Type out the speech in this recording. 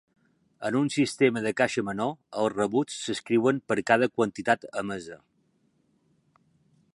En un sistema de caixa menor, els rebuts s'escriuen per cada quantitat emesa.